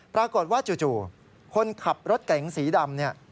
ปรากฏว่าจู่คนขับรถเก๋งสีดำเนี่ย